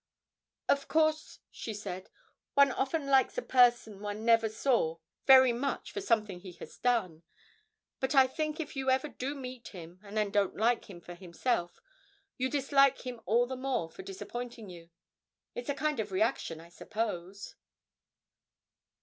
'Of course,' she said, 'one often likes a person one never saw very much for something he has done; but I think if you ever do meet him and then don't like him for himself, you dislike him all the more for disappointing you. It's a kind of reaction, I suppose.'